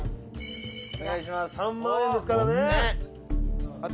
「３万円ですからね」